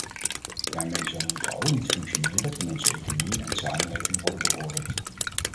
Daarmee zal een geolied functioneren van onze economie en samenleving worden bevorderd.